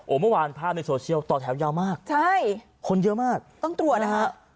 โอ้เมื่อวานภาพในโซเชียลต่อแถวยาวมากคนเยอะมากต้องตรวจนะครับใช่